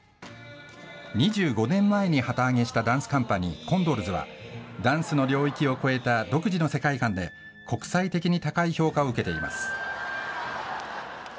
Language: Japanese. ２５年前に旗揚げしたダンスカンパニー、コンドルズは、ダンスの領域を超えた独自の世界観で国際的に高い評価を受けています。